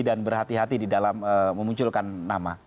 dan berhati hati di dalam memunculkan nama